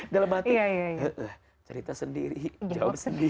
dalam hati cerita sendiri jawab sendiri